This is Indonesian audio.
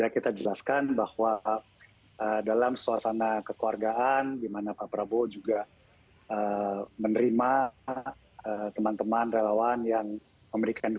kita jelaskan bahwa dalam suasana kekeluargaan dimana pak prabowo juga menerima teman teman relawan yang memberikan